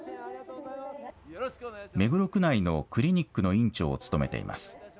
目黒区内のクリニックの院長を務めています。